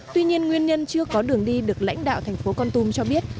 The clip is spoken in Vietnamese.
tuy nhiên nguyên nhân chưa có đường đi được lãnh đạo thành phố con tum cho biết